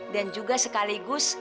dan juga sekaligus